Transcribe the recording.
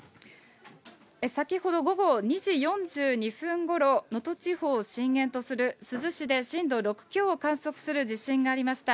先ほど午後２時４２分ごろ、能登地方を震源とする珠洲市で震度６強を観測する地震がありました。